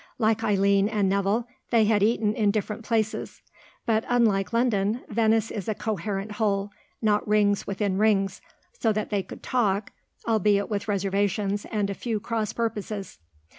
Like Eileen and Nevill, they had eaten in different places; but, unlike London, Venice is a coherent whole, not rings within rings, so they could talk, albeit with reservations and a few cross purposes.